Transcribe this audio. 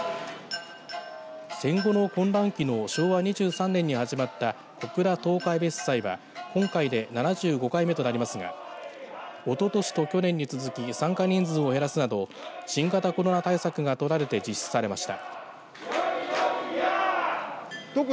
戦後の混乱期の昭和２３年に始まった小倉十日ゑびす祭は今回で７５回目となりますがおととしと去年に続き参加人数を減らすなど新型コロナ対策が取られて実施されました。